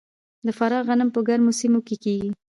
د فراه غنم په ګرمو سیمو کې کیږي.